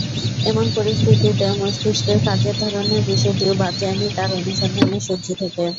এমন পরিস্থিতিতে মস্তিষ্কের কাজের ধরনের বিষয়টিও বাদ যায়নি তাঁর অনুসন্ধানের সূচি থেকে।